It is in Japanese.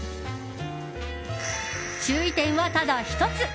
注意点はただ１つ。